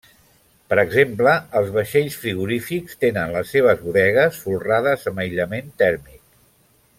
Per exemple, els vaixells frigorífics tenen les seves bodegues folrades amb aïllament tèrmic.